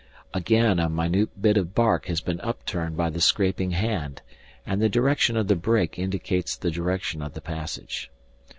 Again, a minute bit of bark has been upturned by the scraping hand, and the direction of the break indicates the direction of the passage.